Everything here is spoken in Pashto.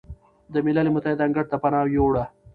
د ملل متحد انګړ ته پناه ویوړه،